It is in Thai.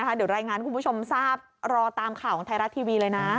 เดี๋ยวรายงานให้คุณผู้ชมทราบรอตามข่าวของไทยรัฐทีวีเลยนะ